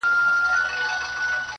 بېګا خوب وینمه تاج پر سر پاچا یم,